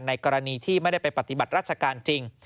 กรณีที่ไม่ได้ไปปฏิบัติราชการจริง